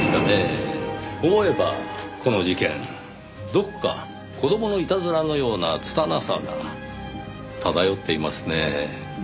思えばこの事件どこか子供のいたずらのようなつたなさが漂っていますねぇ。